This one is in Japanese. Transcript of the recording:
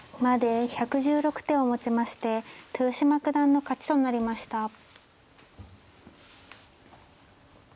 まで１１６手をもちまして豊島九段の勝ちとなりました。